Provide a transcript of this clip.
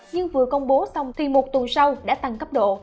nhưng vừa công bố xong thì một tuần sau đã tăng cấp độ